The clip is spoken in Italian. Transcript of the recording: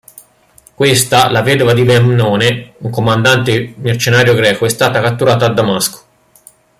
Questa, la vedova di Memnone, un comandante mercenario greco, è stata catturata a Damasco.